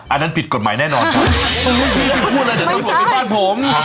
อันนั้นปิดกฎหมายแน่นอนครับพี่พูดอะไรเดี๋ยวต้องส่วนไปบ้านผมครับผม